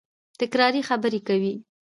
تکراري خبري کوي.